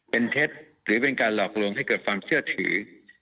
เป็นเท็จหรือเป็นการหลอกลวงให้เกิดความเชื่อถือ